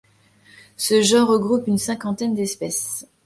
Ce genre regroupe une cinquantaine d'espèces.